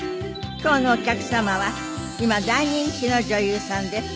今日のお客様は今大人気の女優さんです。